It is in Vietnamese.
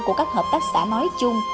của các hợp tác xã nói chung